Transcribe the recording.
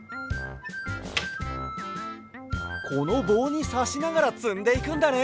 このぼうにさしながらつんでいくんだね。